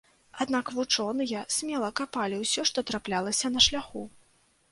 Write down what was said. Аднак вучоныя смела капалі ўсё, што траплялася на шляху.